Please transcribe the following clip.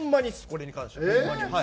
これに関しては。